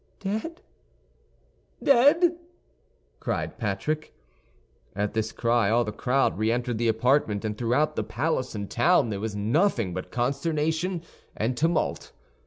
"Dead, dead!" cried Patrick. At this cry all the crowd re entered the apartment, and throughout the palace and town there was nothing but consternation and tumult.